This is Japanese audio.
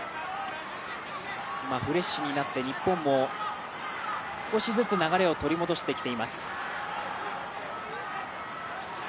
フレッシュになって日本も少しずつ流れを取り戻してきています。